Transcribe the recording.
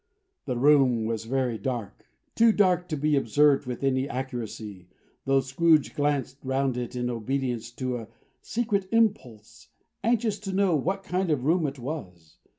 The room was very dark, too dark to be observed with any accuracy, though Scrooge glanced round it in obedience to a secret impulse, anxious to know what kind of room it was.